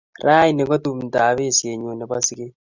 Rauni ko tumdab besienyu nebo siget